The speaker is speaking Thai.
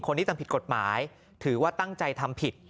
คนที่ทำผิดกฎหมายถือว่าตั้งใจทำผิด